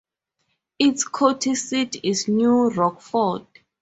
Its county seat is New Rockford.